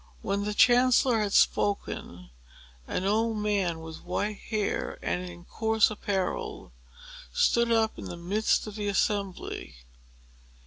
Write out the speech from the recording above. When the Chancellor had spoken, an old man with white hair, and in coarse apparel, stood up in the midst of the assembly.